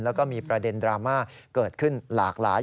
แล้วก็มีประเด็นดราม่าเกิดขึ้นหลากหลาย